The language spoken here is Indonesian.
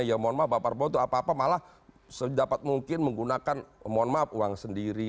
ya mohon maaf pak prabowo itu apa apa malah sedapat mungkin menggunakan mohon maaf uang sendiri